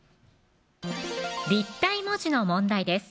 立体文字の問題です